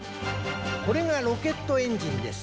これがロケットエンジンです。